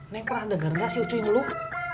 neng pernah denger ga si ucuy ngeluh